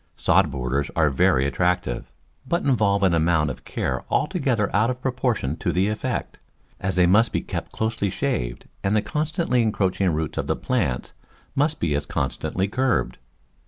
Sod borders are very attractive, but involve an amount of care altogether out of proportion to the effect, as they must be kept closely shaved and the constantly encroaching roots of the plants must be as constantly curbed.